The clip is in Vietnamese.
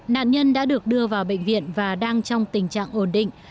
nạn nhân đã được đưa vào bệnh viện và đang trong tình trạng ổn định